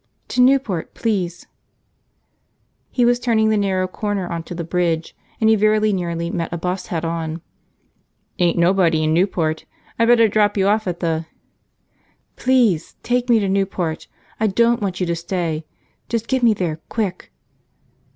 "To Newport. Please." He was turning the narrow corner on to the bridge and he very nearly met a bus head on. "Ain't nobody in Newport. I better drop you off at the ..." "Please take me to Newport! I don't want you to stay. Just get me there, quick!"